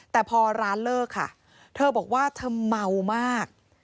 แต่พอร้านเลิกค่ะเธอบอกว่าเธอเมามาก